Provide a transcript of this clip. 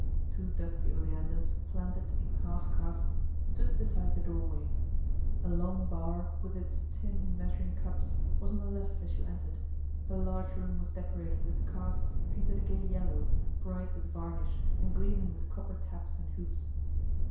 Two dusty oleanders planted in half casks stood beside the doorway. A long bar with its tin measuring cups was on the left as you entered. The large room was decorated with casks painted a gay yellow, bright with varnish, and gleaming with copper taps and hoops.